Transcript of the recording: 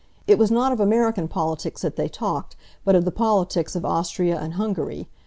It was not of American politics that they talked, but of the politics of Austria and Hungary.